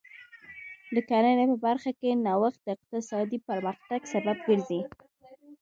د کرنې په برخه کې نوښت د اقتصادي پرمختګ سبب ګرځي.